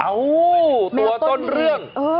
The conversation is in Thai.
อ้าวตัวต้นเรื่อง